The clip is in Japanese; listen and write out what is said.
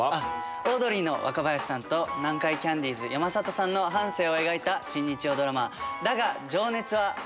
オードリーの若林さんと「南海キャンディーズ」山里さんの半生を描いた新日曜ドラマ『だが、情熱はある』。